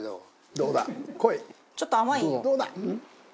どうだ？」